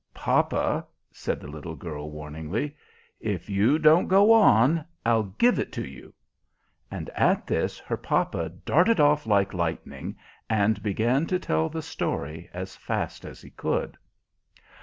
"Papa," said the little girl, warningly, "if you don't go on, I'll give it to you!" And at this her papa darted off like lightning, and began to tell the story as fast as he could.